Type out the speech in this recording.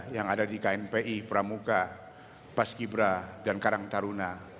yang ada di knpi pramuka paski bra dan karang taruna